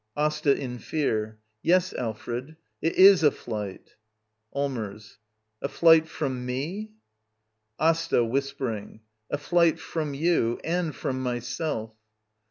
Asta.* [In fear.] Yes, Alfred — it is a flight. Allmers. A flight — from mef ^^/'AsTA. [Whispering.] A flight from you — and from myself!